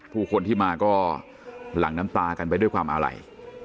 ผู้คนที่มาก็หลั่งน้ำตากันไปด้วยความอาลัย